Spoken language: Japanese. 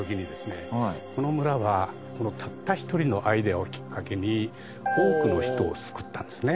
この村はたった一人のアイデアをきっかけに多くの人を救ったんですね。